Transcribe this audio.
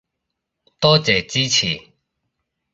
多謝支持